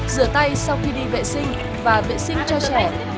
rửa tay sau khi đi vệ sinh và vệ sinh cho trẻ